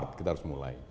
dan kita harus mulai